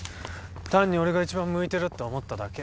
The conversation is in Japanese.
単に俺がいちばん向いてるって思っただけ。